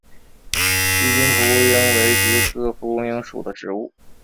锡金蒲公英为菊科蒲公英属的植物。